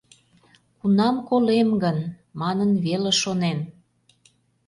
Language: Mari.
«Кунам колем гын?» манын веле шонен...